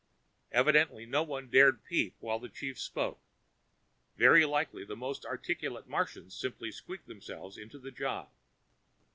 Evidently no one dared peep while the chief spoke very likely the most articulate Martians simply squeaked themselves into the job.